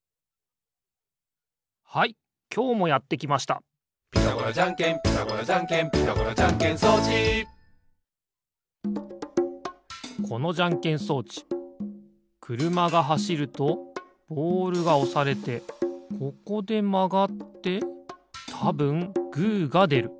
はいきょうもやってきました「ピタゴラじゃんけんピタゴラじゃんけん」「ピタゴラじゃんけん装置」このじゃんけん装置くるまがはしるとボールがおされてここでまがってたぶんグーがでる。